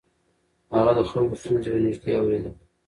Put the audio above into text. هغه د خلکو ستونزې له نږدې اورېدلې.